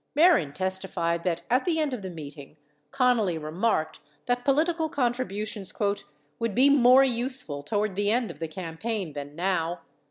Mehren testified that at the end of the meeting Connally remarked that political contributions "would be more useful toward the end of the campaign than now